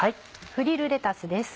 フリルレタスです。